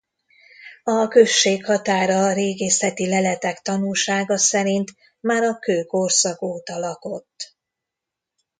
A község határa a régészeti leletek tanúsága szerint már a kőkorszak óta lakott.